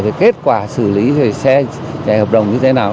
về kết quả xử lý về xe hợp đồng như thế nào